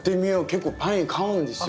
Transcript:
結構パイン買うんですよ。